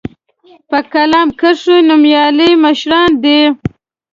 په قلم کښي نومیالي یې مشواڼي دي